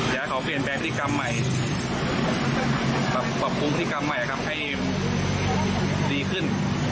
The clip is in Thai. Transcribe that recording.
อยากให้เขาเปลี่ยนแบบธิกรรมใหม่ปรับภูมิธิกรรมใหม่ครับให้ดีขึ้น